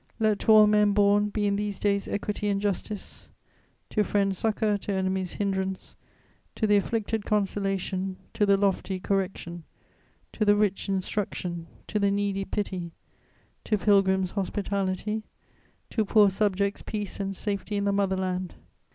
Let to all men born be in these days equity and justice: to friends succour, to enemies hinderance, to the afflicted consolation, to the lofty correction, to the rich instruction, to the needy pity, to pilgrims hospitality, to poor subjects peace and safety in the mother land!